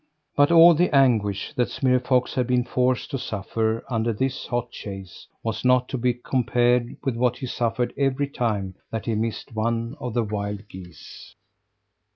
But all the anguish that Smirre Fox had been forced to suffer under this hot chase, was not to be compared with what he suffered every time that he missed one of the wild geese.